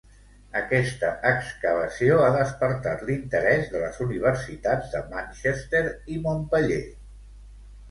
Aquesta excavació ha despertat l'interès de les universitats de Manchester i Montpeller.